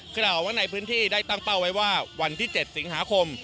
กล่าวว่าในพื้นที่ได้ตั้งเป้าไว้ว่าวันที่๗สิงหาคม